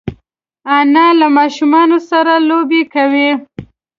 انا له ماشومانو سره لوبې کوي